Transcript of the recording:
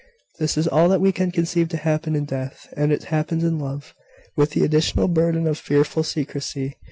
This is all that we can conceive to happen in death; and it happens in love, with the additional burden of fearful secrecy.